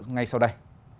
ngay sau đây